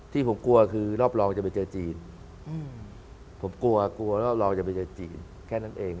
ที่ผมกลัวคือรอบรองจะไปเจอจีนผมกลัวกลัวว่าเราจะไปเจอจีนแค่นั้นเอง